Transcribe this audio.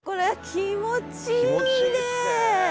気持ちいいですね！